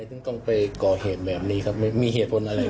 อือแต่ตอนนี้ตกงานแล้ว